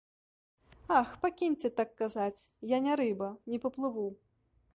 Ах, пакіньце так казаць, я не рыба, не паплыву.